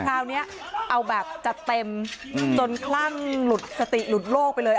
คราวนี้เอาแบบจัดเต็มจนคลั่งหลุดสติหลุดโลกไปเลย